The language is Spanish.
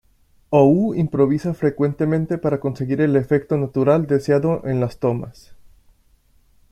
Hou improvisa frecuentemente para conseguir el efecto natural deseado en las tomas.